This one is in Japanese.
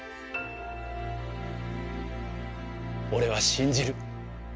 俺は信じる。